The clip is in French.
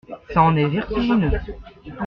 Ça en est vertigineux.